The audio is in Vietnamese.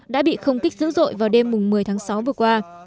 đã bị không kích dữ dội vào đêm một mươi tháng sáu vừa qua